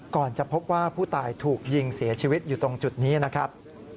ก่อนจะพบว่าผู้ตายถูกยิงเสียชีวิตอยู่ตรงจุดนี้นะครับ